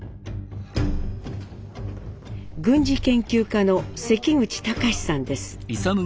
軍事研究家の関口高史さんです。